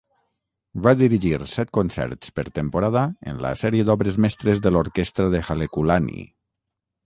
Va dirigir set concerts per temporada en la sèrie d'obres mestres de l'orquestra de Halekulani.